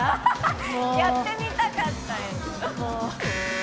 やってみたかった。